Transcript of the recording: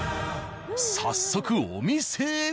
早速お店へ。